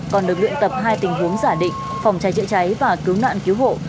còn được luyện tập hai tình huống giả định phòng cháy chữa cháy và cứu nạn cứu hộ